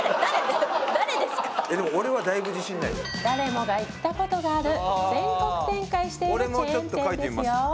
誰もが行った事がある全国展開しているチェーン店ですよ。